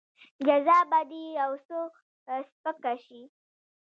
جزا به دې يو څه سپکه شي.